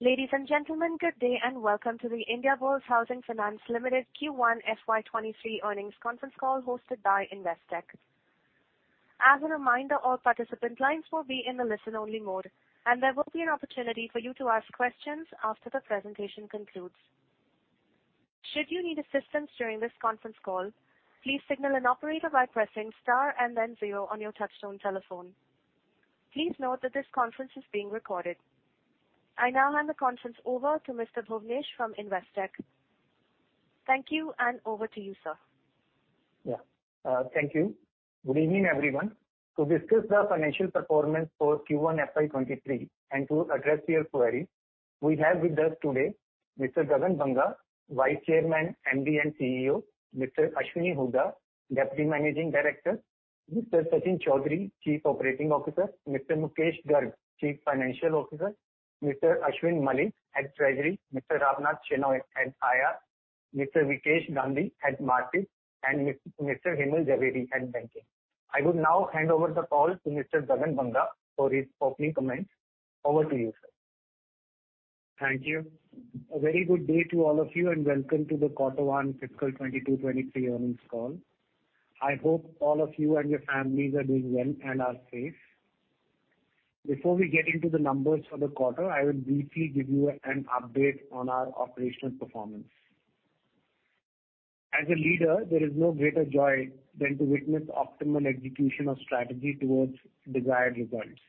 Ladies and gentlemen, good day and welcome to the Indiabulls Housing Finance Limited Q1 FY23 Earnings Conference Call hosted by Investec. As a reminder, all participant lines will be in the listen-only mode, and there will be an opportunity for you to ask questions after the presentation concludes. Should you need assistance during this conference call, please signal an operator by pressing star and then zero on your touchtone telephone. Please note that this conference is being recorded. I now hand the conference over to Mr. Bhuvnesh from Investec. Thank you, and over to you, sir. Yeah. Thank you. Good evening, everyone. To discuss the financial performance for Q1 FY23 and to address your query, we have with us today Mr. Gagan Banga, Vice Chairman, MD and CEO, Mr. Ashwini Hooda, Deputy Managing Director, Mr. Sachin Chaudhary, Chief Operating Officer, Mr. Mukesh Garg, Chief Financial Officer, Mr. Ashwin Malli, Head Treasury, Mr. Ramnath Shenoy, Head IR, Mr. Vikesh Gandhi, Head Mortgage, and Mr. Hemal Jhaveri, Head Banking. I would now hand over the call to Mr. Gagan Banga for his opening comments. Over to you, sir. Thank you. A very good day to all of you, and welcome to the quarter one fiscal 2022/2023 earnings call. I hope all of you and your families are doing well and are safe. Before we get into the numbers for the quarter, I will briefly give you an update on our operational performance. As a leader, there is no greater joy than to witness optimal execution of strategy towards desired results.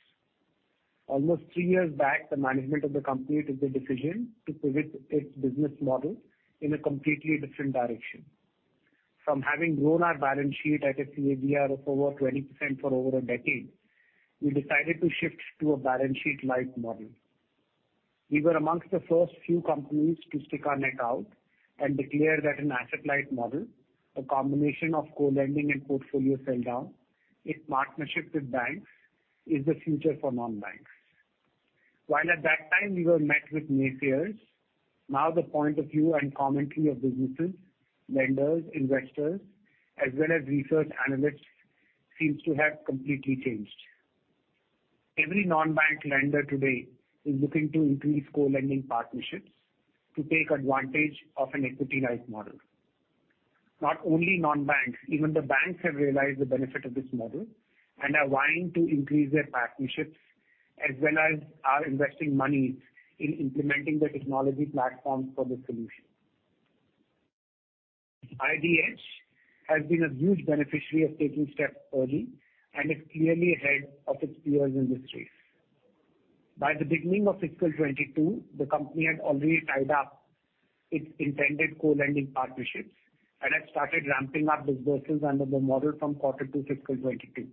Almost three years back, the management of the company took the decision to pivot its business model in a completely different direction. From having grown our balance sheet at a CAGR of over 20% for over a decade, we decided to shift to a balance sheet light model. We were among the first few companies to stick our neck out and declare that an asset-light model, a combination of co-lending and portfolio sell-down in partnership with banks is the future for non-banks. While at that time we were met with naysayers, now the point of view and commentary of businesses, lenders, investors, as well as research analysts seems to have completely changed. Every non-bank lender today is looking to increase co-lending partnerships to take advantage of an equity-light model. Not only non-banks, even the banks have realized the benefit of this model and are vying to increase their partnerships, as well as are investing money in implementing the technology platforms for the solution. IBH has been a huge beneficiary of taking steps early and is clearly ahead of its peers in this race. By the beginning of fiscal 2022, the company had already tied up its intended co-lending partnerships and had started ramping up disbursements under the model from quarter 2 fiscal 2022.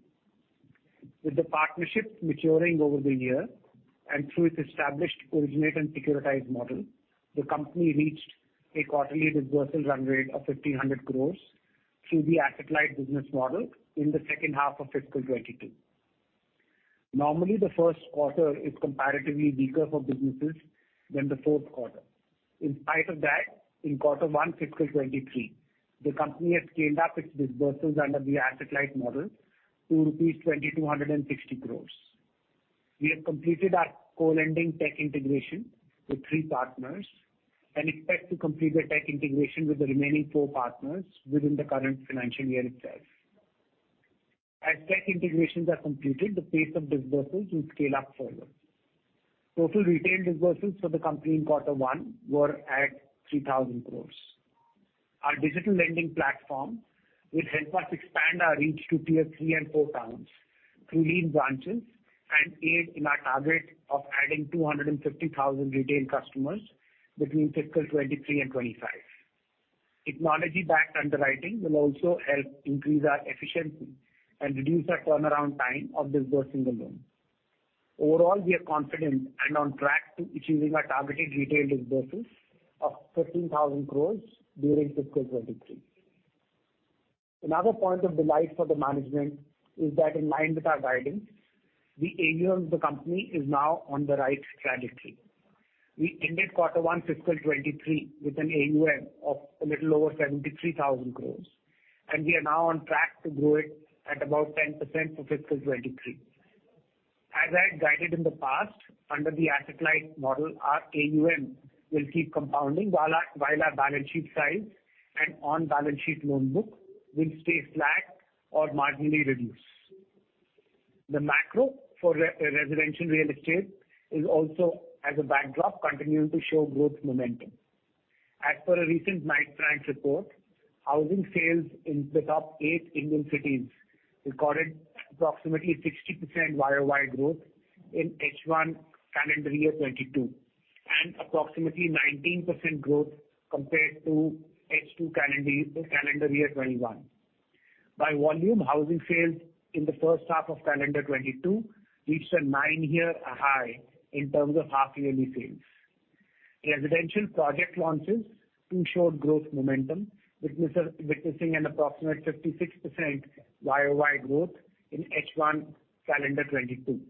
With the partnerships maturing over the year and through its established originate and securitized model, the company reached a quarterly disbursal run rate of 1,500 crores through the asset-light business model in the second half of fiscal 2022. Normally, the first quarter is comparatively weaker for businesses than the fourth quarter. In spite of that, in quarter 1 fiscal 2023, the company has scaled up its disbursements under the asset-light model to rupees 2,260 crores. We have completed our co-lending tech integration with three partners and expect to complete the tech integration with the remaining four partners within the current financial year itself. As tech integrations are completed, the pace of disbursements will scale up further. Total retail disbursements for the company in quarter one were at 3,000 crores. Our digital lending platform will help us expand our reach to tier three and four towns through lean branches and aid in our target of adding 250,000 retail customers between fiscal 2023 and 2025. Technology-backed underwriting will also help increase our efficiency and reduce our turnaround time of disbursing the loan. Overall, we are confident and on track to achieving our targeted retail disbursements of 15,000 crores during fiscal 2023. Another point of delight for the management is that in line with our guidance, the AUM of the company is now on the right trajectory. We ended quarter one fiscal 2023 with an AUM of a little over 73,000 crores, and we are now on track to grow it at about 10% for fiscal 2023. As I had guided in the past, under the asset-light model, our AUM will keep compounding while our balance sheet size and on-balance sheet loan book will stay flat or marginally reduce. The macro for residential real estate is also, as a backdrop, continuing to show growth momentum. As per a recent Knight Frank report, housing sales in the top eight Indian cities recorded approximately 60% YOY growth in H1 2022, and approximately 19% growth compared to H2 2021. By volume, housing sales in the first half of 2022 reached a nine-year high in terms of half-yearly sales. Residential project launches, too, showed growth momentum, witnessing an approximate 56% YOY growth in H1 calendar 2022,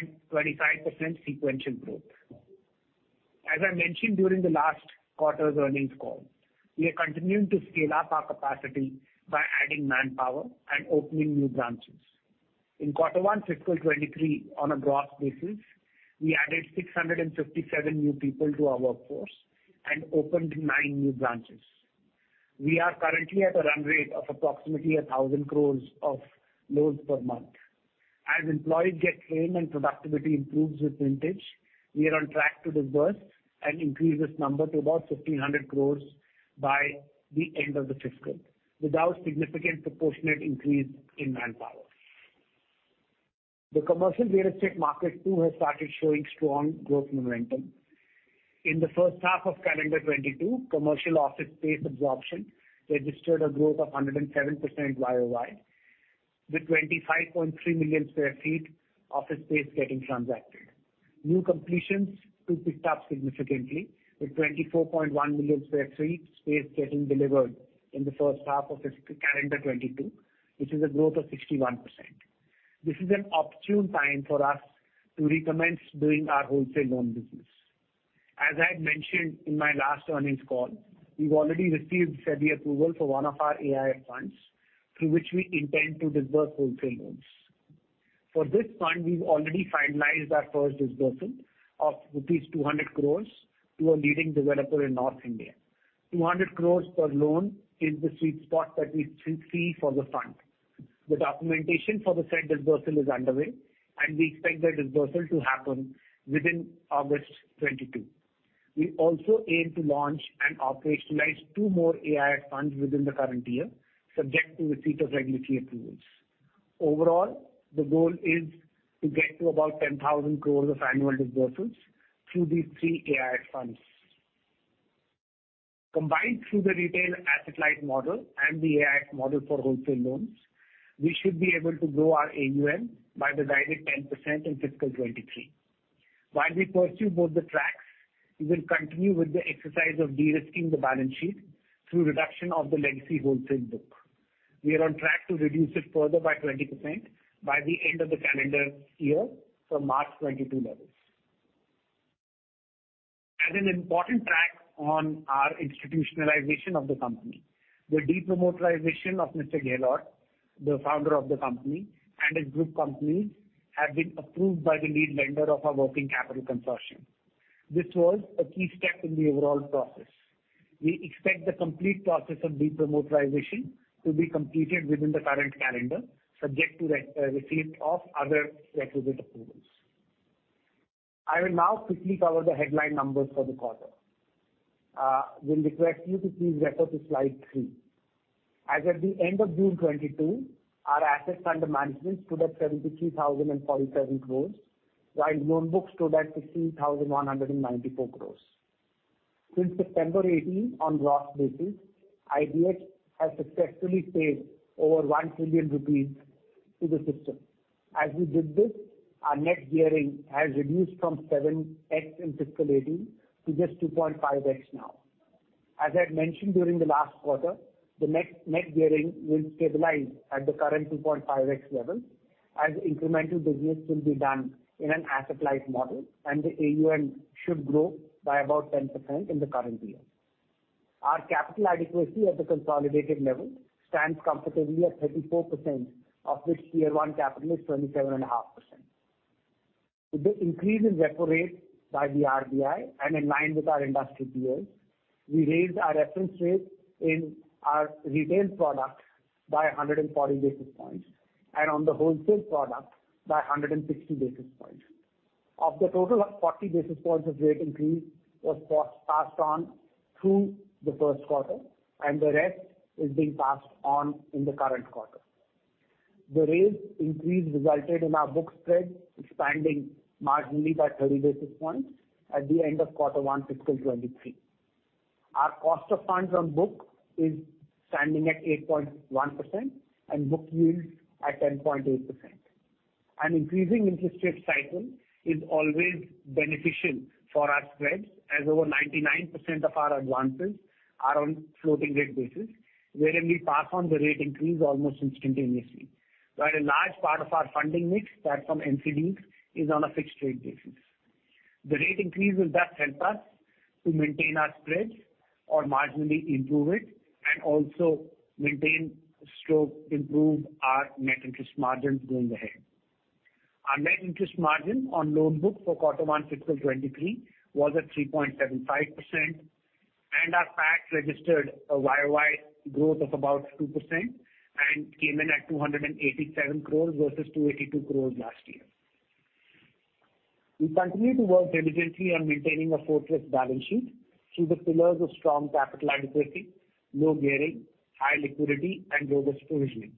and 25% sequential growth. As I mentioned during the last quarter's earnings call, we are continuing to scale up our capacity by adding manpower and opening new branches. In quarter one fiscal 2023 on a gross basis, we added 657 new people to our workforce and opened nine new branches. We are currently at a run rate of approximately 1,000 crore of loans per month. As employees get trained and productivity improves with vintage, we are on track to disburse and increase this number to about 1,500 crore by the end of the fiscal without significant proportionate increase in manpower. The commercial real estate market too has started showing strong growth momentum. In the first half of calendar 2022, commercial office space absorption registered a growth of 107% YOY, with 25.3 million sq ft office space getting transacted. New completions too picked up significantly, with 24.1 million sq ft space getting delivered in the first half of fiscal calendar 2022, which is a growth of 61%. This is an opportune time for us to recommence doing our wholesale loan business. As I had mentioned in my last earnings call, we've already received SEBI approval for one of our AIF funds, through which we intend to disperse wholesale loans. For this fund, we've already finalized our first disbursement of rupees 200 crore to a leading developer in North India. 200 crore per loan is the sweet spot that we feel for the fund. The documentation for the said disbursement is underway, and we expect the disbursement to happen within August 2022. We also aim to launch and operationalize two more AIF funds within the current year, subject to receipt of regulatory approvals. Overall, the goal is to get to about 10,000 crores of annual disbursements through these three AIF funds. Combined through the retail asset-light model and the AIF model for wholesale loans, we should be able to grow our AUM by the guided 10% in fiscal 2023. While we pursue both the tracks, we will continue with the exercise of de-risking the balance sheet through reduction of the legacy wholesale book. We are on track to reduce it further by 20% by the end of the calendar year from March 2022 levels. As an important track on our institutionalization of the company, the de-promoterization of Mr. Gehlot, the founder of the company, and his group companies, have been approved by the lead lender of our working capital consortium. This was a key step in the overall process. We expect the complete process of de-promoterization to be completed within the current calendar, subject to receipt of other requisite approvals. I will now quickly cover the headline numbers for the quarter. We'll request you to please refer to slide three. As at the end of June 2022, our assets under management stood at 73,047 crore, while loan book stood at 16,194 crore. Since September 2018, on gross basis, IBH has successfully saved over 1 trillion rupees to the system. As we did this, our net gearing has reduced from 7x in fiscal 2018 to just 2.5x now. As I had mentioned during the last quarter, the net gearing will stabilize at the current 2.5x level as incremental business will be done in an asset-light model and the AUM should grow by about 10% in the current year. Our capital adequacy at the consolidated level stands comfortably at 34%, of which tier-one capital is 27.5%. With the increase in repo rates by the RBI and in line with our industry peers, we raised our reference rates in our retail product by 140 basis points and on the wholesale product by 160 basis points. Of the total, 40 basis points of rate increase was passed on through the first quarter and the rest is being passed on in the current quarter. The raise increase resulted in our book spread expanding marginally by 30 basis points at the end of quarter one fiscal 2023. Our cost of funds on book is standing at 8.1% and book yields at 10.8%. An increasing interest rate cycle is always beneficial for our spreads as over 99% of our advances are on floating rate basis, wherein we pass on the rate increase almost instantaneously. While a large part of our funding mix apart from NCDs is on a fixed rate basis, the rate increase will thus help us to maintain our spreads or marginally improve it and also maintain/improve our net interest margins going ahead. Our net interest margin on loan book for quarter 1 fiscal 2023 was at 3.75% and our PAT registered a YOY growth of about 2% and came in at 287 crore versus 282 crore last year. We continue to work diligently on maintaining a fortress balance sheet through the pillars of strong capital adequacy, low gearing, high liquidity and robust provisioning,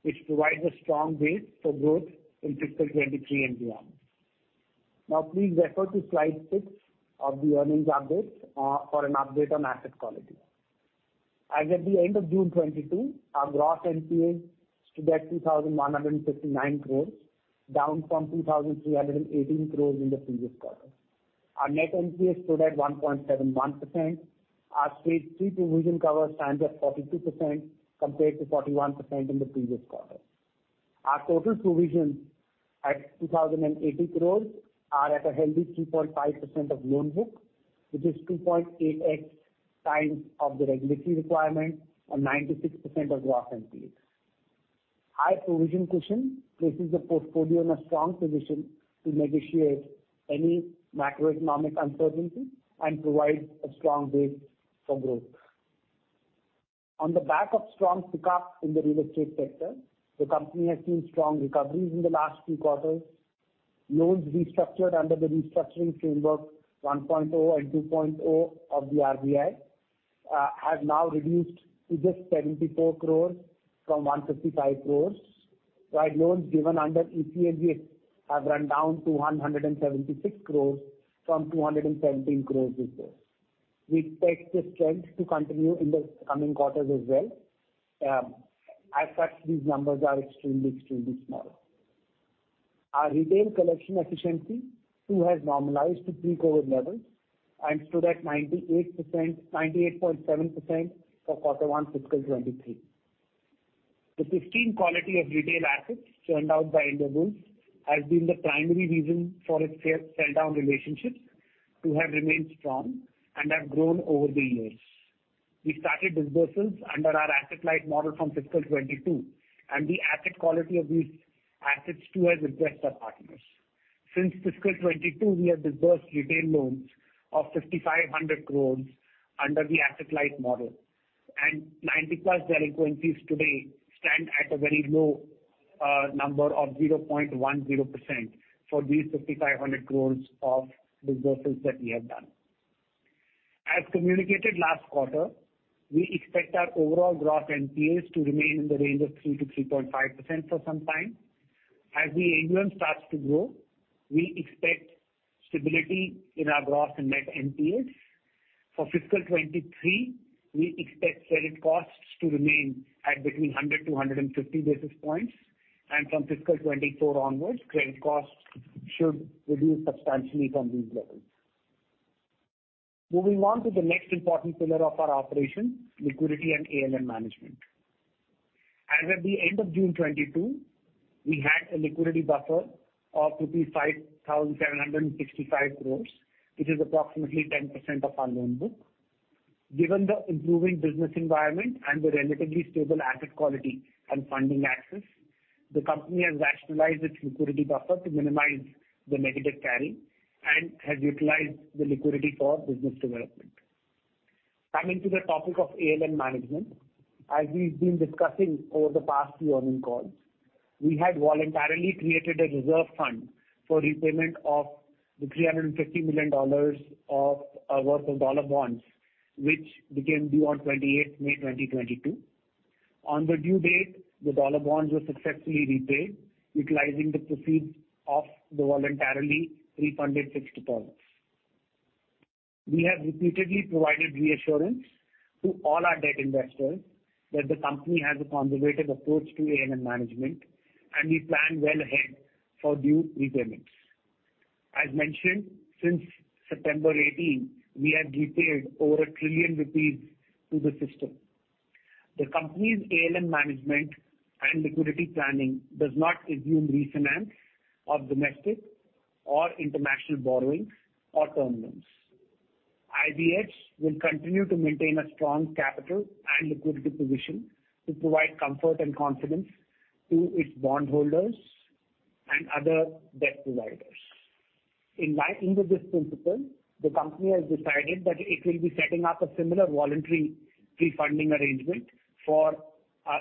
which provides a strong base for growth in fiscal 2023 and beyond. Now please refer to slide 6 of the earnings updates for an update on asset quality. As at the end of June 2022, our gross NPAs stood at 2,159 crore, down from 2,318 crore in the previous quarter. Our net NPAs stood at 1.71%. Our stage three provision cover stands at 42% compared to 41% in the previous quarter. Our total provisions at 2,080 crore are at a healthy 3.5% of loan book, which is 2.8x times of the regulatory requirement and 96% of gross NPAs. High provision cushion places the portfolio in a strong position to negotiate any macroeconomic uncertainty and provide a strong base for growth. On the back of strong pick-up in the real estate sector, the company has seen strong recoveries in the last few quarters. Loans restructured under the Resolution Framework 1.0 and 2.0 of the RBI have now reduced to just 74 crore from 155 crore, while loans given under ECLGS have run down to 176 crore from 217 crore before. We expect this trend to continue in the coming quarters as well. As such, these numbers are extremely small. Our retail collection efficiency too has normalized to pre-COVID levels and stood at 98%, 98.7% for quarter one fiscal 2023. The pristine quality of retail assets churned out by Indiabulls has been the primary reason for its fair sell-down relationships to have remained strong and have grown over the years. We started disbursements under our asset-light model from fiscal 2022, and the asset quality of these assets too has impressed our partners. Since fiscal 2022, we have disbursed retail loans of 5,500 crore under the asset-light model, and 90-plus delinquencies today stand at a very low number of 0.10% for these 5,500 crore of disbursements that we have done. As communicated last quarter, we expect our overall gross NPAs to remain in the range of 3%-3.5% for some time. As the AUM starts to grow, we expect stability in our gross and net NPAs. For fiscal 2023, we expect credit costs to remain at 100-150 basis points, and from fiscal 2024 onwards, credit costs should reduce substantially from these levels. Moving on to the next important pillar of our operation, liquidity and ALM management. As at the end of June 2022, we had a liquidity buffer of INR 5,765 crore, which is approximately 10% of our loan book. Given the improving business environment and the relatively stable asset quality and funding access, the company has rationalized its liquidity buffer to minimize the negative carry and has utilized the liquidity for business development. Coming to the topic of ALM management, as we've been discussing over the past few earnings calls, we had voluntarily created a reserve fund for repayment of $350 million worth of dollar bonds, which became due on 28th May 2022. On the due date, the dollar bonds were successfully repaid, utilizing the proceeds of the voluntarily refunded fixed deposits. We have repeatedly provided reassurance to all our debt investors that the company has a conservative approach to ALM management, and we plan well ahead for due repayments. As mentioned, since September 2018, we have repaid over 1 trillion rupees to the system. The company's ALM management and liquidity planning does not assume refinance of domestic or international borrowings or term loans. IBH will continue to maintain a strong capital and liquidity position to provide comfort and confidence to its bondholders and other debt providers. In line with this principle, the company has decided that it will be setting up a similar voluntary pre-funding arrangement for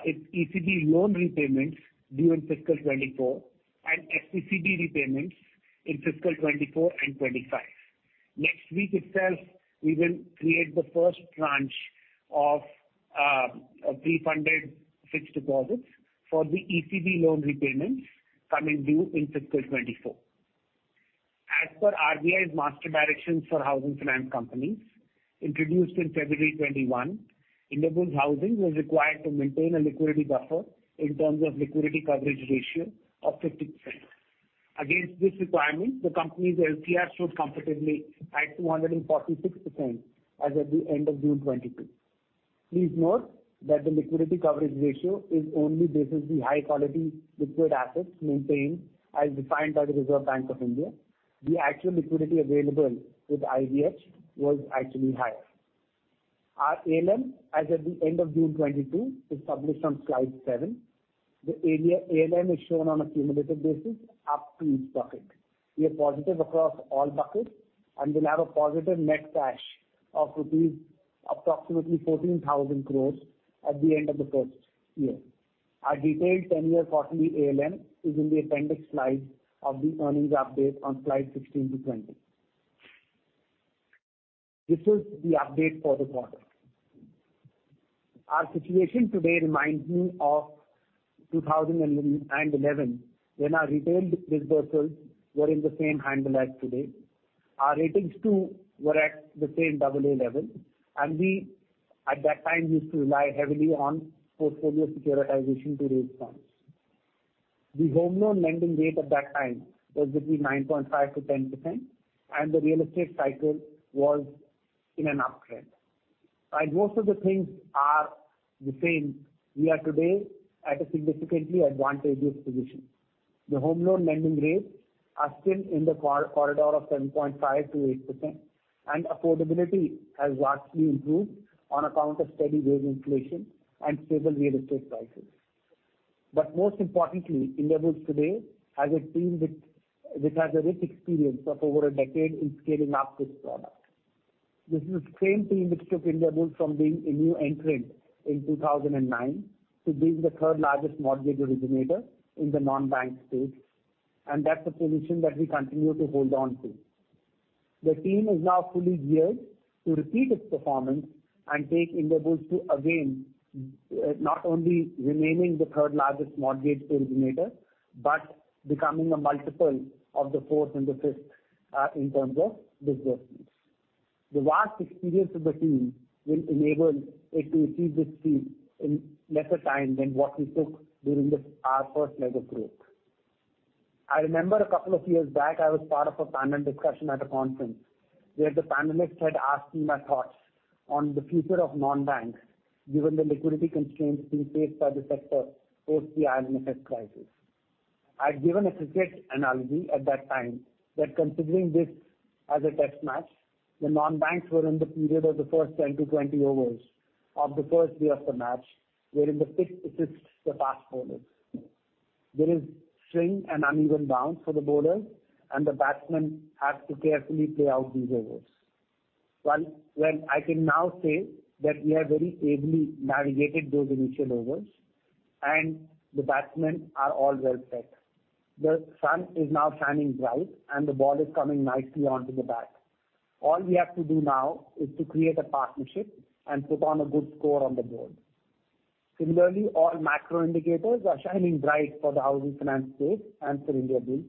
its ECB loan repayments due in fiscal 2024 and FCCB repayments in fiscal 2024 and 2025. Next week itself, we will create the first tranche of a pre-funded fixed deposits for the ECB loan repayments coming due in fiscal 2024. As per RBI's master directions for housing finance companies introduced in February 2021, Indiabulls Housing Finance was required to maintain a liquidity buffer in terms of liquidity coverage ratio of 50%. Against this requirement, the company's LCR stood comfortably at 246% as at the end of June 2022. Please note that the liquidity coverage ratio is only based on the high-quality liquid assets maintained as defined by the Reserve Bank of India. The actual liquidity available with IBH was actually higher. Our ALM as at the end of June 2022 is published on slide seven. The ALM is shown on a cumulative basis up to each bucket. We are positive across all buckets and will have a positive net cash of approximately 14,000 crore rupees at the end of the first year. Our detailed 10-year quarterly ALM is in the appendix slides of the earnings update on slide 16 to 20. This is the update for the quarter. Our situation today reminds me of 2011 when our retail disbursements were in the same handle as today. Our ratings too were at the same double A level, and we, at that time, used to rely heavily on portfolio securitization to raise funds. The home loan lending rate at that time was between 9.5%-10%, and the real estate cycle was in an uptrend. While most of the things are the same, we are today at a significantly advantageous position. The home loan lending rates are still in the corridor of 7.5%-8%, and affordability has vastly improved on account of steady wage inflation and stable real estate prices. Most importantly, Indiabulls today has a team which has a rich experience of over a decade in scaling up this product. This is the same team which took Indiabulls from being a new entrant in 2009 to being the third-largest mortgage originator in the non-bank space, and that's a position that we continue to hold on to. The team is now fully geared to repeat its performance and take Indiabulls to again, not only remaining the third-largest mortgage originator, but becoming a multiple of the fourth and the fifth, in terms of business. The vast experience of the team will enable it to achieve this feat in lesser time than what we took during our first leg of growth. I remember a couple of years back, I was part of a panel discussion at a conference where the panelists had asked me my thoughts on the future of non-banks, given the liquidity constraints being faced by the sector post the IL&FS crisis. I'd given a cricket analogy at that time that considering this as a test match, the non-banks were in the period of the first 10-20 overs of the first day of the match, wherein the pitch assists the fast bowlers. There is swing and uneven bounce for the bowlers, and the batsmen have to carefully play out these overs. Well, well, I can now say that we have very ably navigated those initial overs, and the batsmen are all well set. The sun is now shining bright, and the ball is coming nicely onto the bat. All we have to do now is to create a partnership and put on a good score on the board. Similarly, all macro indicators are shining bright for the housing finance space and for Indiabulls.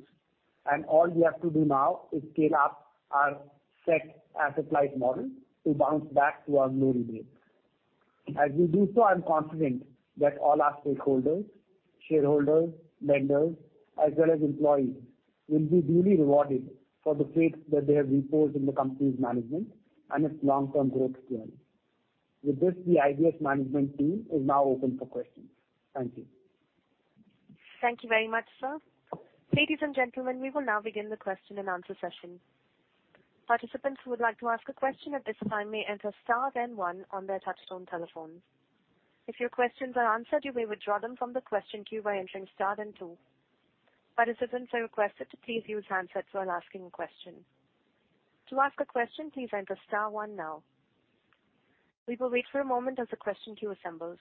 All we have to do now is scale up our tech asset-light model to bounce back to our glory days. As we do so, I'm confident that all our stakeholders, shareholders, lenders, as well as employees will be duly rewarded for the faith that they have reposed in the company's management and its long-term growth story. With this, the IBH management team is now open for questions. Thank you. Thank you very much, sir. Ladies and gentlemen, we will now begin the question-and-answer session. Participants who would like to ask a question at this time may enter star then one on their touchtone telephones. If your questions are answered, you may withdraw them from the question queue by entering star then two. Participants are requested to please use handsets while asking a question. To ask a question, please enter star one now. We will wait for a moment as the question queue assembles.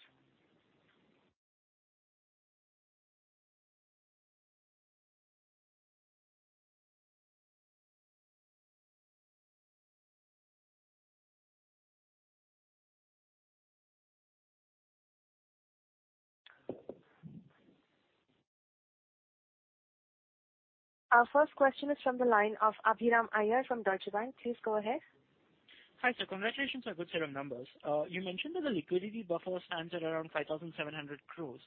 Our first question is from the line of Abhiram Iyer from Deutsche Bank. Please go ahead. Hi, sir. Congratulations on a good set of numbers. You mentioned that the liquidity buffer stands at around 5,700 crores.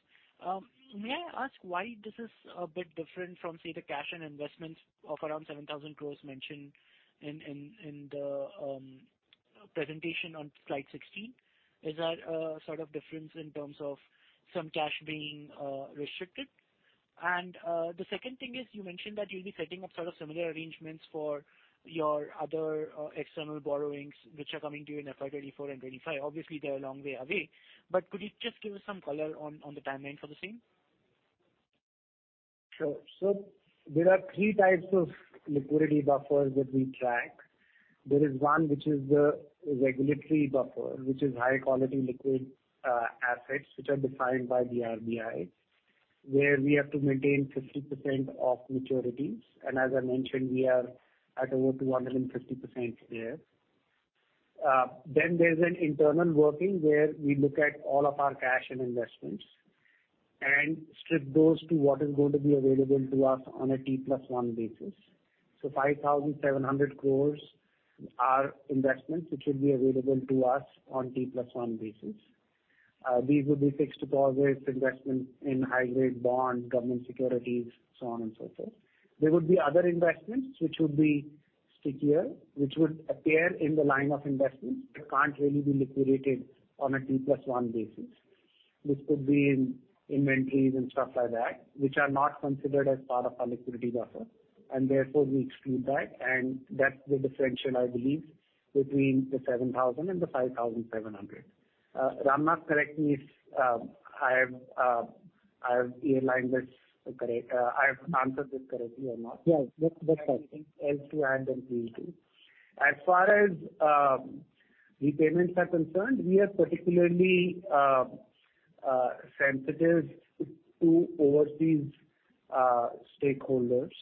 May I ask why this is a bit different from, say, the cash and investments of around 7,000 crores mentioned in the presentation on slide 16? Is that a sort of difference in terms of some cash being restricted? The second thing is you mentioned that you'll be setting up sort of similar arrangements for your other external borrowings which are coming due in FY 2024 and 2025. Obviously, they're a long way away, but could you just give us some color on the timeline for the same? Sure. There are three types of liquidity buffers that we track. There is one which is the regulatory buffer, which is high-quality liquid assets which are defined by the RBI, where we have to maintain 50% of maturities. As I mentioned, we are at over 250% there. There's an internal working where we look at all of our cash and investments and strip those to what is going to be available to us on a T plus one basis. 5,700 crore are investments which will be available to us on T plus one basis. These would be fixed deposit investments in high-grade bonds, government securities, so on and so forth. There would be other investments which would be stickier, which would appear in the line of investments but can't really be liquidated on a T plus one basis. This could be in inventories and stuff like that, which are not considered as part of our liquidity buffer and therefore we exclude that. That's the differential, I believe, between the 7,000 and the 5,700. Ramnath, correct me if I have answered this correctly or not. Yes, that's correct. If anything else to add, then please do. As far as repayments are concerned, we are particularly sensitive to overseas stakeholders.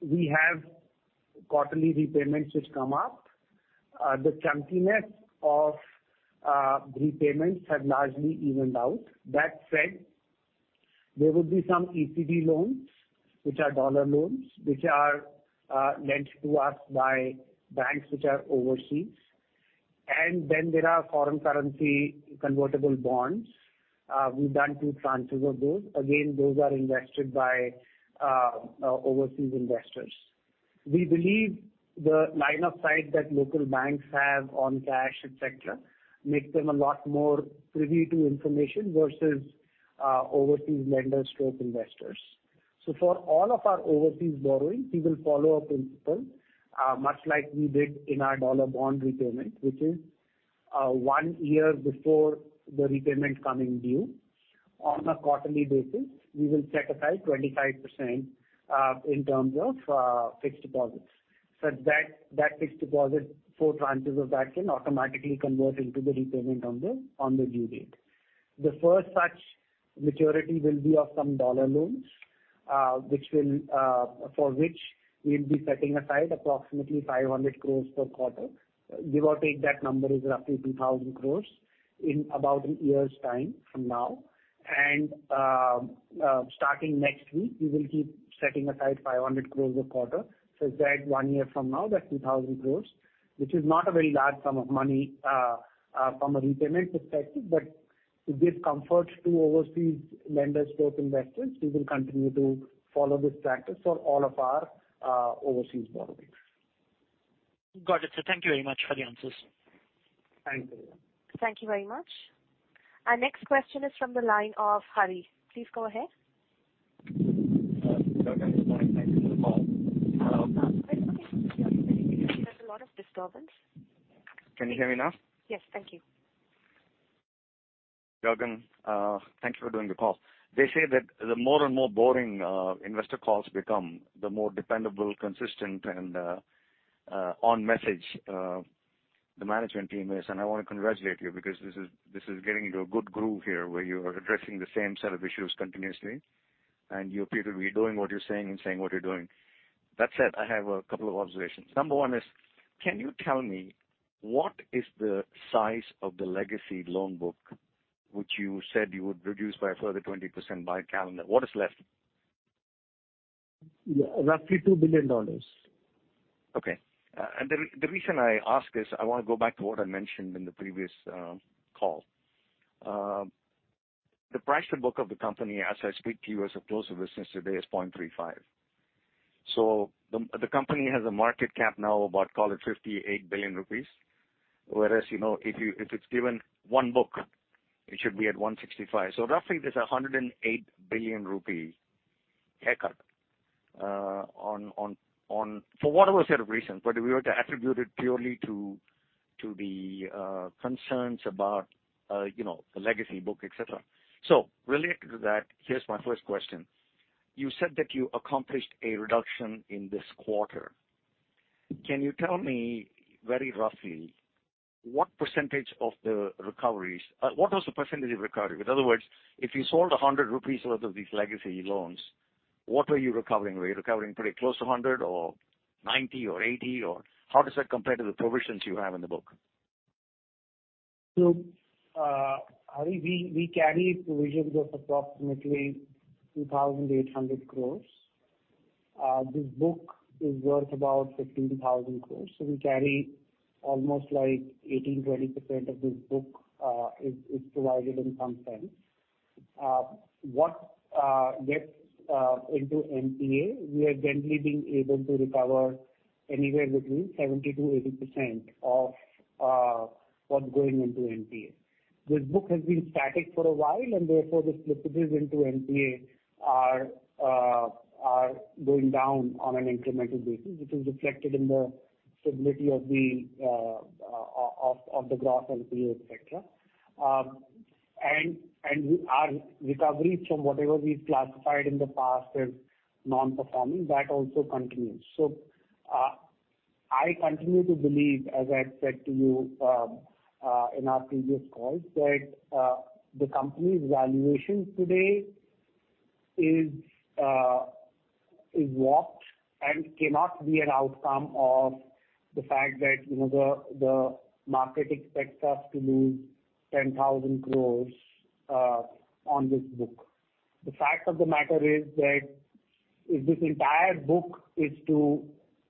We have quarterly repayments which come up. The chunkiness of repayments have largely evened out. That said, there will be some ECB loans, which are dollar loans, which are lent to us by banks which are overseas. Then there are foreign currency convertible bonds. We've done two tranches of those. Again, those are invested by overseas investors. We believe the line of sight that local banks have on cash, et cetera, makes them a lot more privy to information versus overseas lenders/investors. For all of our overseas borrowing, we will follow a principle, much like we did in our dollar bond repayment, which is, one year before the repayment coming due on a quarterly basis, we will set aside 25%, in terms of, fixed deposits, such that that fixed deposit, four tranches of that can automatically convert into the repayment on the due date. The first such maturity will be of some dollar loans, for which we'll be setting aside approximately 500 crores per quarter. Give or take that number is roughly 2,000 crores in about one year's time from now. Starting next week, we will keep setting aside 500 crore a quarter such that one year from now, that's 2,000 crore, which is not a very large sum of money from a repayment perspective. To give comfort to overseas lenders and investors, we will continue to follow this practice for all of our overseas borrowings. Got it, sir. Thank you very much for the answers. Thank you. Thank you very much. Our next question is from the line of Hari. Please go ahead. Gagan Banga, good morning. Thanks for the call. Hello? It's okay. Can you hear me? There's a lot of disturbance. Can you hear me now? Yes. Thank you. Gagan, thank you for doing the call. They say that the more and more boring investor calls become, the more dependable, consistent and on message the management team is. I want to congratulate you because this is getting into a good groove here where you are addressing the same set of issues continuously, and you appear to be doing what you're saying and saying what you're doing. That said, I have a couple of observations. Number one is, can you tell me what is the size of the legacy loan book, which you said you would reduce by a further 20% by calendar? What is left? Yeah. Roughly $2 billion. Okay. The reason I ask is, I wanna go back to what I mentioned in the previous call. The price to book of the company as I speak to you as of close of business today is 0.35. The company has a market cap now about call it 58 billion rupees. Whereas, you know, if it's given one book, it should be at 165. Roughly there's 108 billion rupee haircut on for whatever set of reasons. If we were to attribute it purely to the concerns about, you know, the legacy book, et cetera. Related to that, here's my first question: You said that you accomplished a reduction in this quarter. Can you tell me very roughly what percentage of the recoveries? What was the percentage of recovery? In other words, if you sold 100 rupees worth of these legacy loans, what were you recovering? Were you recovering pretty close to 100% or 90% or 80% or how does that compare to the provisions you have in the book? Hari, we carry provisions of approximately 2,800 crore. This book is worth about 15,000 crore. We carry almost like 18%-20% of this book is provided in some sense. What gets into NPA, we have generally been able to recover anywhere between 70%-80% of what's going into NPA. This book has been static for a while and therefore the slippages into NPA are going down on an incremental basis, which is reflected in the stability of the gross NPA, etc. Our recoveries from whatever we've classified in the past as non-performing, that also continues. I continue to believe, as I've said to you, in our previous calls, that the company's valuation today is warped and cannot be an outcome of the PAT that, you know, the market expects us to lose 10,000 crore on this book. The fact of the matter is that if this entire book is to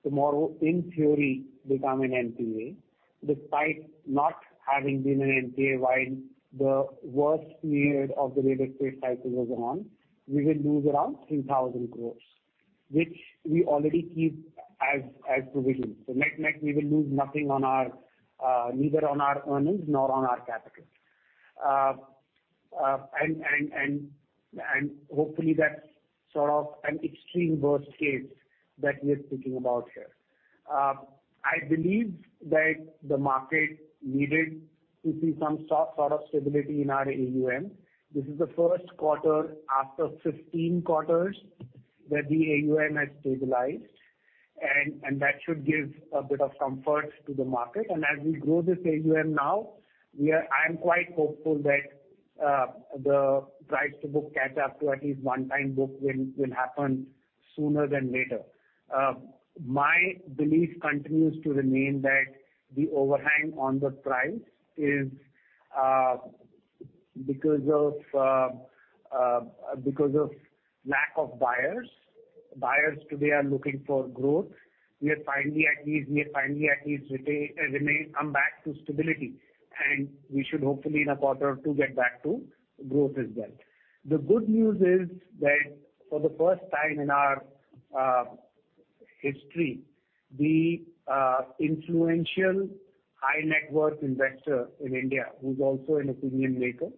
tomorrow, in theory, become an NPA, despite not having been an NPA while the worst period of the real estate cycle was on, we will lose around 2,000 crore, which we already keep as provision. Net, we will lose nothing on our neither on our earnings nor on our capital. Hopefully that's sort of an extreme worst case that we're speaking about here. I believe that the market needed to see some sort of stability in our AUM. This is the first quarter after 15 quarters where the AUM has stabilized and that should give a bit of comfort to the market. As we grow this AUM now, I'm quite hopeful that the price to book catch up to at least one time book will happen sooner than later. My belief continues to remain that the overhang on the price is because of lack of buyers. Buyers today are looking for growth. We are finally at ease with coming back to stability, and we should hopefully in a quarter or two get back to growth as well. The good news is that for the first time in our history, the influential high net worth investor in India, who's also an opinion maker.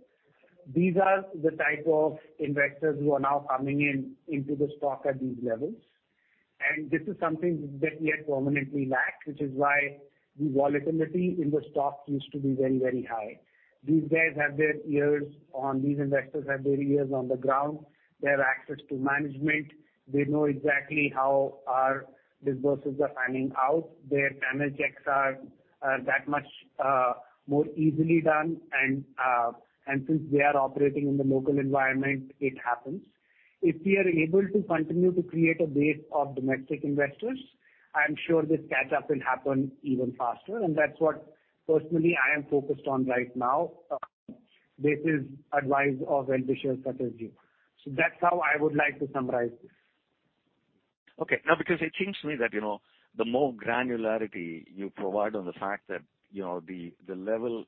These are the type of investors who are now coming into the stock at these levels. This is something that we have permanently lacked, which is why the volatility in the stock used to be very, very high. These investors have their ears on the ground. They have access to management. They know exactly how our disbursements are panning out. Their damage checks are that much more easily done, and since they are operating in the local environment, it happens. If we are able to continue to create a base of domestic investors, I am sure this catch-up will happen even faster, and that's what personally I am focused on right now, based on this advice of well-wishers' strategy. That's how I would like to summarize this. Okay. Now, because it seems to me that, you know, the more granularity you provide on the PAT, you know, the level,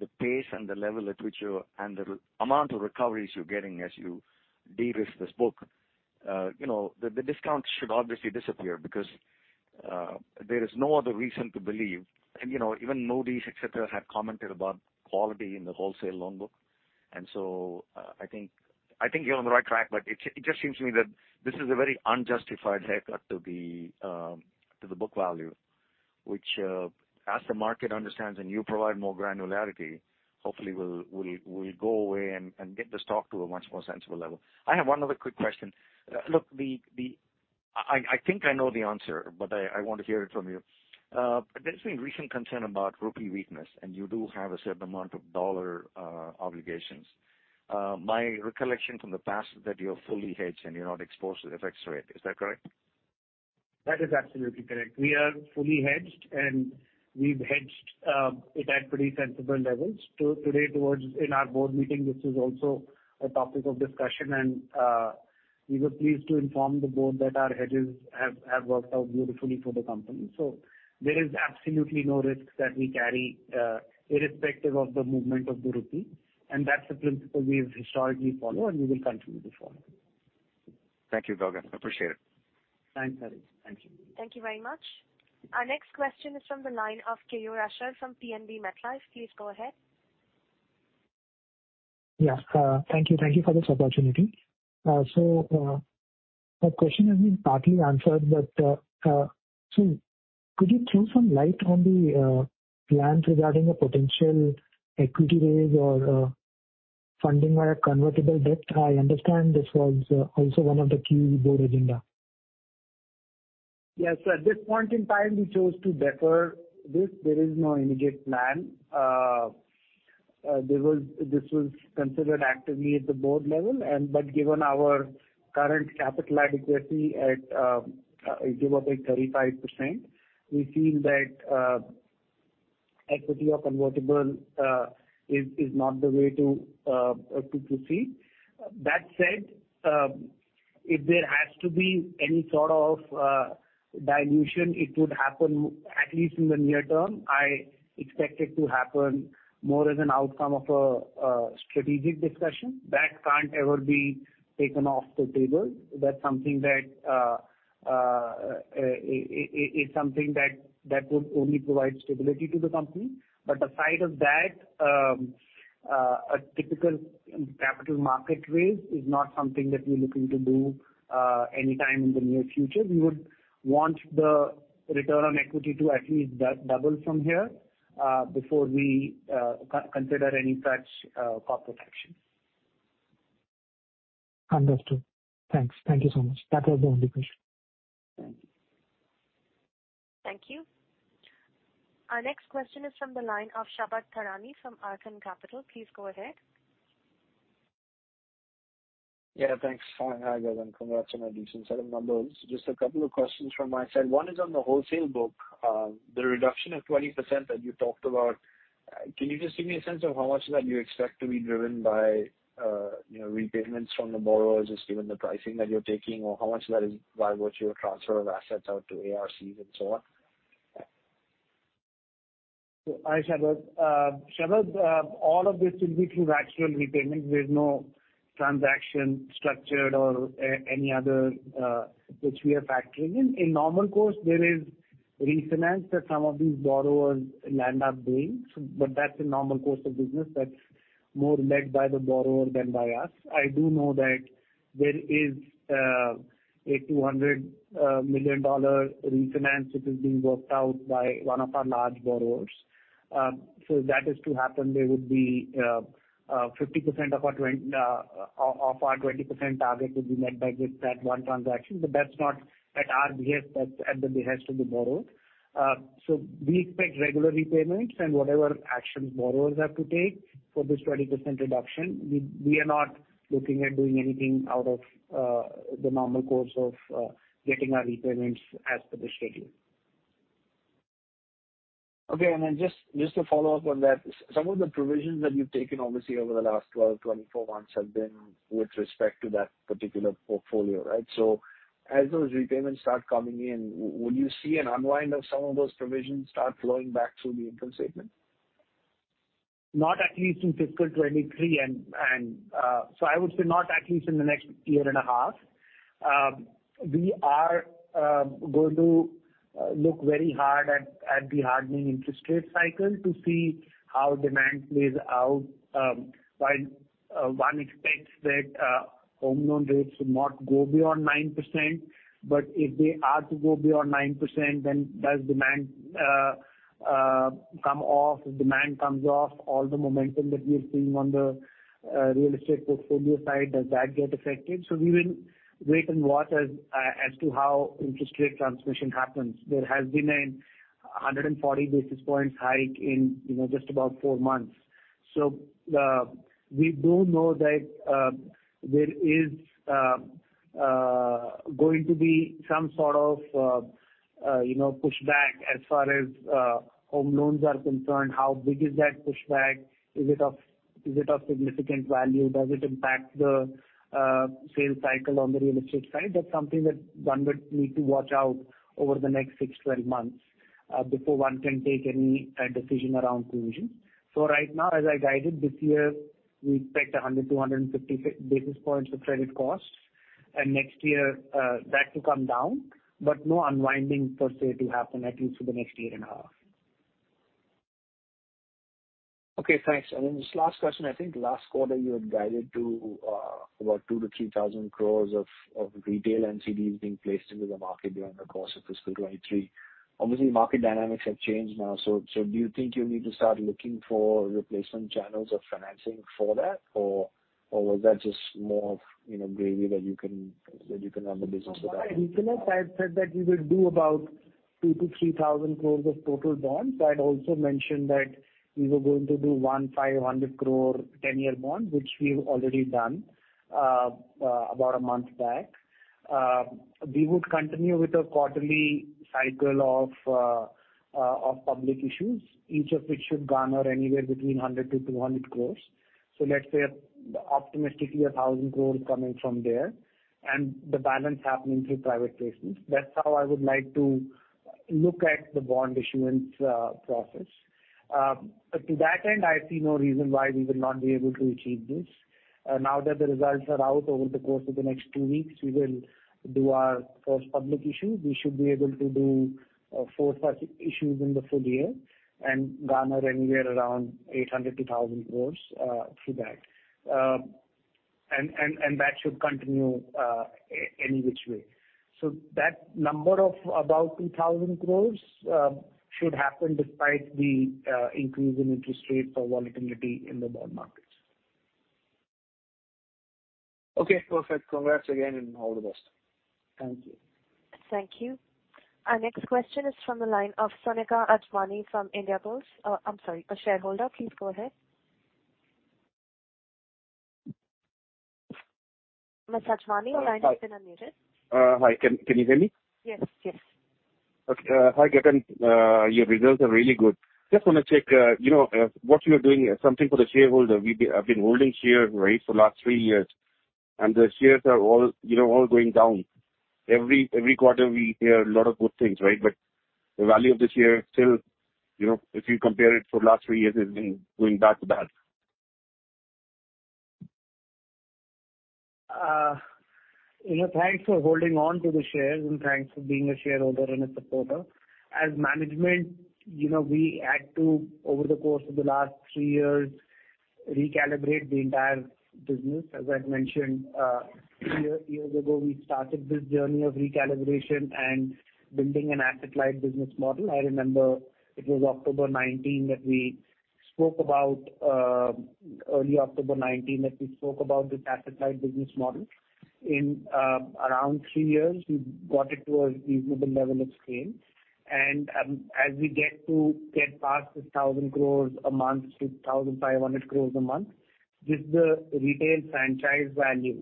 the pace and the level at which you're the amount of recoveries you're getting as you de-risk this book, you know, the discount should obviously disappear because there is no other reason to believe. You know, even Moody's, et cetera, have commented about quality in the wholesale loan book. I think you're on the right track, but it just seems to me that this is a very unjustified haircut to the book value, which, as the market understands and you provide more granularity, hopefully will go away and get the stock to a much more sensible level. I have one other quick question. Look, the I think I know the answer, but I want to hear it from you. There's been recent concern about rupee weakness, and you do have a certain amount of dollar obligations. My recollection from the past is that you're fully hedged and you're not exposed to the FX rate. Is that correct? That is absolutely correct. We are fully hedged, and we've hedged it at pretty sensible levels. Today, in our board meeting, this is also a topic of discussion, and we were pleased to inform the board that our hedges have worked out beautifully for the company. There is absolutely no risks that we carry, irrespective of the movement of the rupee. That's the principle we've historically followed, and we will continue to follow. Thank you, Gagan. Appreciate it. Thanks, Hari. Thank you. Thank you very much. Our next question is from the line of K.O. Rasher from PNB MetLife. Please go ahead. Thank you. Thank you for this opportunity. My question has been partly answered, but could you throw some light on the plans regarding a potential equity raise or funding via convertible debt? I understand this was also one of the key board agenda. Yes. At this point in time, we chose to defer this. There is no immediate plan. This was considered actively at the board level, but given our current capital adequacy at, give or take 35%, we feel that equity or convertible is not the way to proceed. That said, if there has to be any sort of dilution, it would happen at least in the near term. I expect it to happen more as an outcome of a strategic discussion. That can't ever be taken off the table. That's something that would only provide stability to the company. Aside from that, a typical capital market raise is not something that we're looking to do anytime in the near future. We would want the return on equity to at least double from here before we consider any such corporate actions. Understood. Thanks. Thank you so much. That was the only question. Thank you. Thank you. Our next question is from the line of Shabad Thadani from Arqaam Capital. Please go ahead. Yeah, thanks. Hi, Gagan. Congrats on a decent set of numbers. Just a couple of questions from my side. One is on the wholesale book. The reduction of 20% that you talked about, can you just give me a sense of how much of that you expect to be driven by, you know, repayments from the borrowers just given the pricing that you're taking? Or how much of that is by virtue of transfer of assets out to ARCs and so on? Hi, Shabad. Shabad, all of this will be through actual repayments. There's no transaction structured or any other which we are factoring in. In normal course, there is refinance that some of these borrowers land up doing, but that's a normal course of business. That's more led by the borrower than by us. I do know that there is a $200 million refinance which is being worked out by one of our large borrowers. If that is to happen, there would be 50% of our 20% target met by this, that one transaction, but that's not at our behest. That's at the behest of the borrower. We expect regular repayments and whatever actions borrowers have to take for this 20% reduction. We are not looking at doing anything out of the normal course of getting our repayments as per the schedule. Okay. Just to follow up on that, some of the provisions that you've taken obviously over the last 12-24 months have been with respect to that particular portfolio, right? As those repayments start coming in, will you see an unwind of some of those provisions start flowing back through the income statement? Not at least in fiscal 2023. I would say not at least in the next year and a half. We are going to look very hard at the hardening interest rate cycle to see how demand plays out. While one expects that home loan rates will not go beyond 9%, but if they are to go beyond 9%, then does demand come off? If demand comes off, all the momentum that we are seeing on the real estate portfolio side, does that get affected? We will wait and watch as to how interest rate transmission happens. There has been a 140 basis points hike in just about nine months. We do know that there is going to be some sort of, you know, pushback as far as home loans are concerned. How big is that pushback? Is it of significant value? Does it impact the sales cycle on the real estate side? That's something that one would need to watch out over the next six-12 months, before one can take any decision around provisions. Right now, as I guided this year, we expect 100-250 basis points of credit costs, and next year, that to come down, but no unwinding per se to happen, at least for the next year and a half. Okay, thanks. Just last question. I think last quarter you had guided to what 2,000-3,000 crore of retail NCDs being placed into the market during the course of fiscal 2023. Obviously, market dynamics have changed now. Do you think you need to start looking for replacement channels of financing for that? Was that just more of, you know, gravy that you can run the business without? When I originally said that we will do about 2,000-3,000 crores of total bonds, I had also mentioned that we were going to do 1,500 crore 10-year bond, which we've already done, about a month back. We would continue with a quarterly cycle of public issues, each of which should garner anywhere between 100-200 crores. Let's say optimistically 1,000 crores coming from there and the balance happening through private placements. That's how I would like to look at the bond issuance process. To that end, I see no reason why we will not be able to achieve this. Now that the results are out, over the course of the next two weeks, we will do our first public issue. We should be able to do four such issues in the full year and garner anywhere around 800-1,000 crores through that. That should continue any which way. That number of about 2,000 crores should happen despite the increase in interest rates or volatility in the bond markets. Okay, perfect. Congrats again and all the best. Thank you. Thank you. Our next question is from the line of Sonika Ajwani from India Pulse. I'm sorry, a shareholder. Please go ahead. Ms. Ajwani, your line has been unmuted. Hi. Can you hear me? Yes. Yes. Okay. Hi, Gagan Banga. Your results are really good. Just wanna check, you know, what you are doing something for the shareholder. I've been holding shares, right, for the last three years, and the shares are all, you know, going down. Every quarter we hear a lot of good things, right? But the value of the share still, you know, if you compare it for last three years, has been going back to back. You know, thanks for holding on to the shares and thanks for being a shareholder and a supporter. As management, you know, we had to, over the course of the last three years, recalibrate the entire business. As I had mentioned, three years ago, we started this journey of recalibration and building an asset-light business model. I remember it was early October 2019 that we spoke about this asset-light business model. In around three years, we've got it to a reasonable level of scale. As we get past this 1,000 crore a month to 1,500 crore a month with the retail franchise value,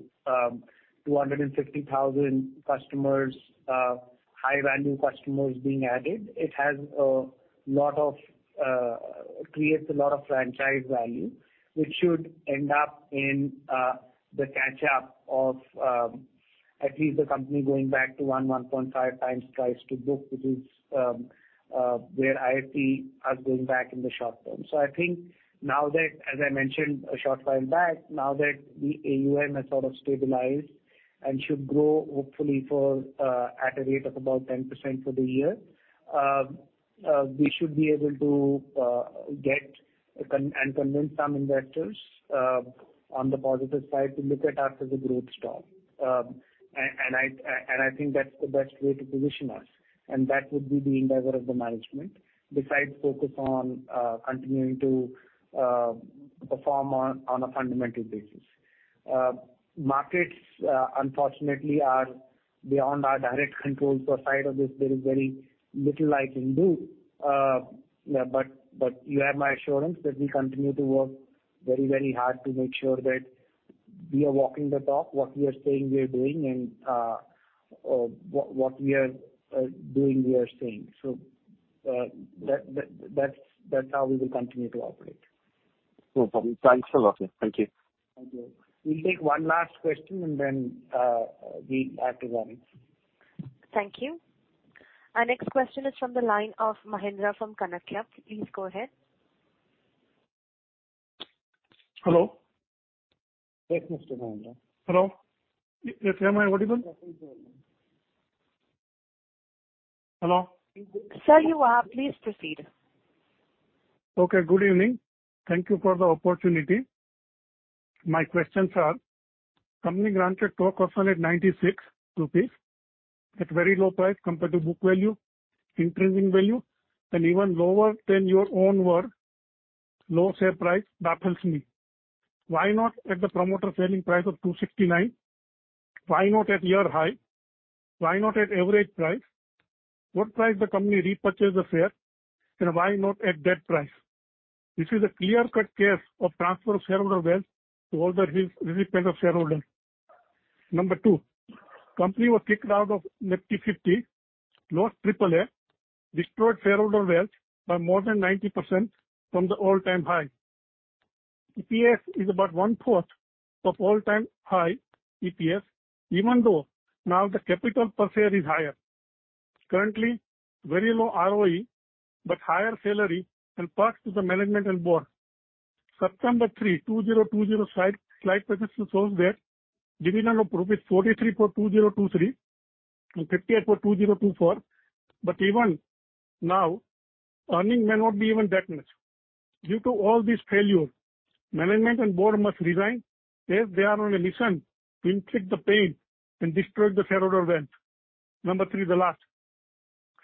250,000 customers, high-value customers being added, it creates a lot of franchise value, which should end up in the catch up of at least the company going back to 1.5 times price to book, which is where I see us going back in the short term. I think now that, as I mentioned a short while back, now that the AUM has sort of stabilized and should grow, hopefully at a rate of about 10% for the year, we should be able to convince some investors on the positive side to look at us as the growth stock. I think that's the best way to position us, and that would be the endeavor of the management besides focus on continuing to perform on a fundamental basis. Markets unfortunately are beyond our direct control. Aside from this, there is very little I can do. You have my assurance that we continue to work very, very hard to make sure that we are walking the talk, what we are saying we are doing and what we are doing, we are saying. That's how we will continue to operate. No problem. Thanks a lot. Thank you. Thank you. We'll take one last question and then we have to run. Thank you. Our next question is from the line of Mahendra from Kanakia. Please go ahead. Hello? Yes, Mr. Mahendra. Hello? Yes, am I audible? Yes, you are. Hello? Sir, you are. Please proceed. Okay, good evening. Thank you for the opportunity. My questions are, company granted stock option at 96 rupees at very low price compared to book value, increasing value, and even lower than your own worth, low share price baffles me. Why not at the promoter selling price of 269? Why not at year high? Why not at average price? What price the company repurchase the share and why not at that price? This is a clear-cut case of transfer of shareholder wealth to all the rich shareholders. Number two, company was kicked out of Nifty 50, lost AAA, destroyed shareholder wealth by more than 90% from the all-time high. EPS is about one-fourth of all-time high EPS, even though now the capital per share is higher. Currently, very low ROE, but higher salary and perks to the management and board. September 3, 2020 slide presentation shows that division of profit 43 for 2023 and 58 for 2024. Even now, earnings may not be even that much. Due to all this failure, management and board must resign if they are on a mission to inflict the pain and destroy the shareholder wealth. Number three, the last.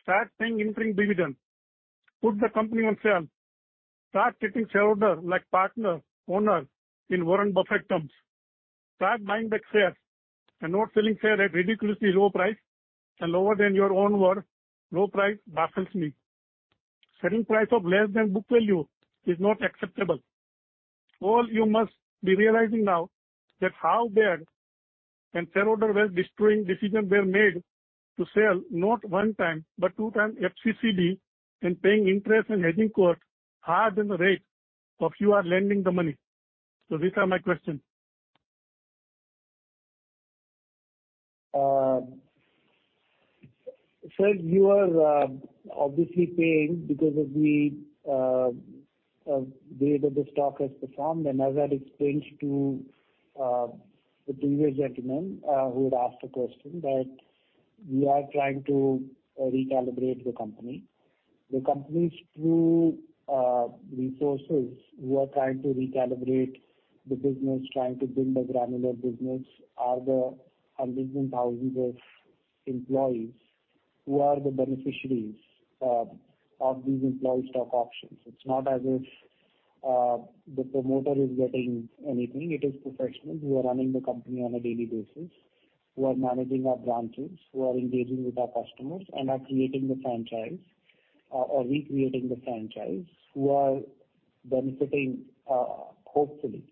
Start paying interim dividend. Put the company on sale. Start treating shareholder like partner, owner in Warren Buffett terms. Start buying back shares and not selling share at ridiculously low price and lower than your own worth. Low price baffles me. Selling price of less than book value is not acceptable. All, you must be realizing now that how bad and shareholder wealth destroying decision were made to sell not one time, but two times FCCB and paying interest and hedging cost higher than the rate of you are lending the money. These are my questions. Sir, you are obviously pained because of the way that the stock has performed. As I explained to the previous gentleman who had asked a question that we are trying to recalibrate the company. The company's true resources, we are trying to recalibrate the business, trying to build a granular business are the hundreds and thousands of employees who are the beneficiaries of these employee stock options. It's not as if the promoter is getting anything. It is professionals who are running the company on a daily basis, who are managing our branches, who are engaging with our customers and are creating the franchise or recreating the franchise, who are benefiting, hopefully.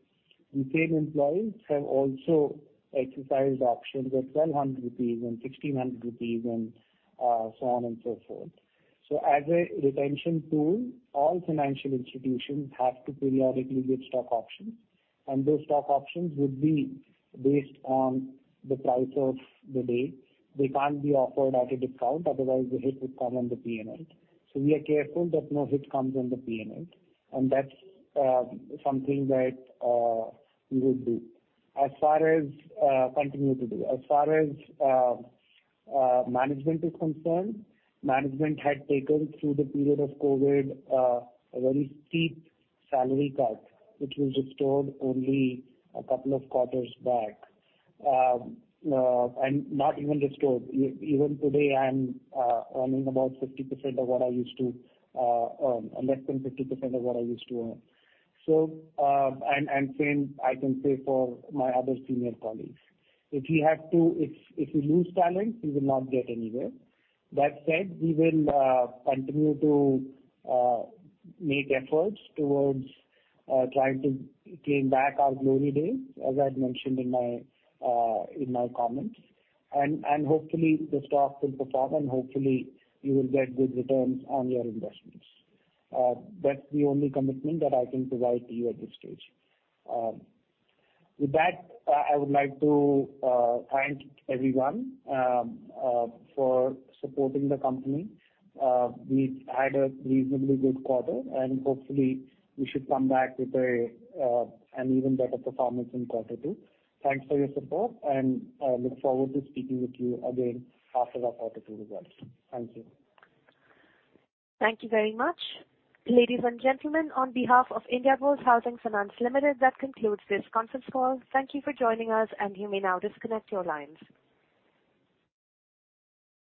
The same employees have also exercised options at 1,200 rupees and 1,600 rupees and so on and so forth. As a retention tool, all financial institutions have to periodically give stock options, and those stock options would be based on the price of the day. They can't be offered at a discount, otherwise the hit would come on the P&L. We are careful that no hit comes on the P&L, and that's something that we would do. As far as continue to do. As far as management is concerned, management had taken through the period of COVID a very steep salary cut, which was restored only a couple of quarters back. Not even restored. Even today, I'm earning about 50% of what I used to, less than 50% of what I used to earn. Same I can say for my other senior colleagues. If you have to. If you lose talent, you will not get anywhere. That said, we will continue to make efforts towards trying to claim back our glory days, as I mentioned in my comments. Hopefully the stock will perform, and hopefully you will get good returns on your investments. That's the only commitment that I can provide to you at this stage. With that, I would like to thank everyone for supporting the company. We've had a reasonably good quarter, and hopefully we should come back with an even better performance in quarter two. Thanks for your support, and I look forward to speaking with you again after our quarter two results. Thank you. Thank you very much. Ladies and gentlemen, on behalf of Indiabulls Housing Finance Limited, that concludes this conference call. Thank you for joining us, and you may now disconnect your lines.